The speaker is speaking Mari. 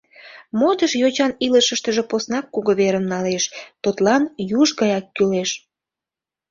Модыш йочан илышыштыже поснак кугу верым налеш, тудлан юж гаяк кӱлеш.